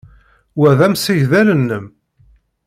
Wa d amsegdal-nnem?